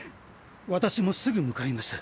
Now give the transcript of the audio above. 私もすぐ向かいます。